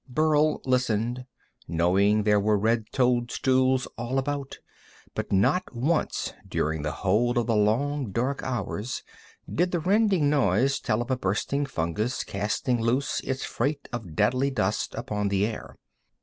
Burl listened, knowing there were red toadstools all about, but not once during the whole of the long, dark hours did the rending noise tell of a bursting fungus casting loose its freight of deadly dust upon the air.